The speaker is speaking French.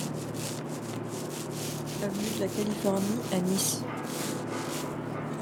Avenue de la Californie à Nice